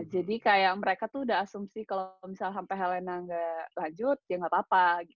jadi kayak mereka tuh udah asumsi kalau misal sampai helena gak lanjut ya gak apa apa